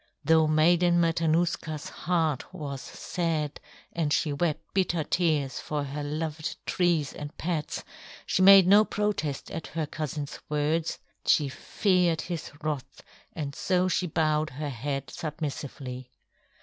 Though Maiden Matanuska's heart was sad, and she wept bitter tears for her loved trees and pets, she made no protest at her cousin's words. She feared his wrath, and so she bowed her head submissively.